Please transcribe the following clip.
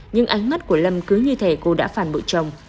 nhưng ánh mắt của lâm cứ như thế cô đã phản bội chồng